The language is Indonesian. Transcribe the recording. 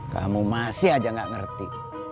kamu masih aja nggak ngerti